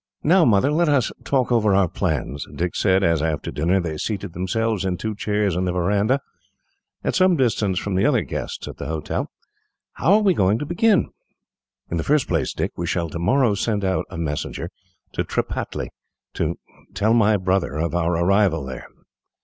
"Now, Mother, let us talk over our plans," Dick said as, after dinner, they seated themselves in two chairs in the veranda, at some little distance from the other guests at the hotel. "How are we going to begin?" "In the first place, Dick, we shall tomorrow send out a messenger to Tripataly, to tell my brother of our arrival here."